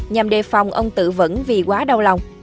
nhằm đề phòng ông tự vẫn vì quá đau lòng